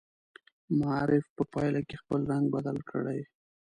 معرف په پایله کې خپل رنګ بدل کړي.